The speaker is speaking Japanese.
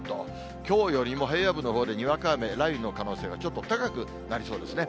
きょうよりも平野部のほうで、にわか雨、雷雨の可能性がちょっと高くなりそうですね。